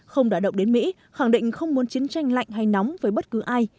không đã động đến mỹ khẳng định không muốn chiến tranh lạnh hay nóng với bất cứ ai